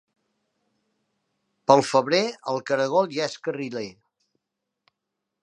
Pel febrer, el caragol ja és carriler.